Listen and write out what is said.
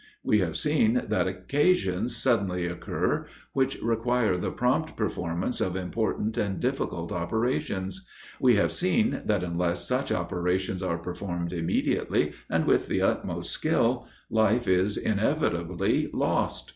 We have seen that occasions suddenly occur, which require the prompt performance of important and difficult operations; we have seen that unless such operations are performed immediately, and with the utmost skill, life is inevitably lost.